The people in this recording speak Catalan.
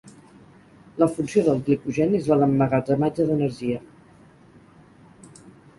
La funció del glicogen és la d'emmagatzematge d'energia.